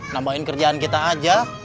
nambahin kerjaan kita aja